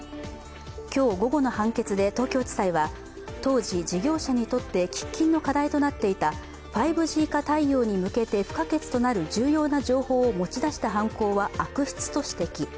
今日午後の判決で東京地裁は、当時、事業者にとって喫緊の課題となっていた５Ｇ化対応に向けて不可欠となる重要な情報を持ち出した犯行は悪質と指摘。